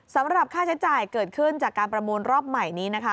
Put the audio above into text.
สำหรับค่าใช้จ่ายเกิดขึ้นจากการประมูลรอบใหม่นี้นะคะ